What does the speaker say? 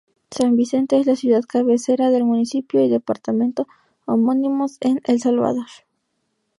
San Vicente es la ciudad cabecera del municipio y departamento homónimos en El Salvador.